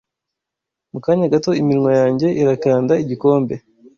Mu kanya gato iminwa yanjye irakanda igikombe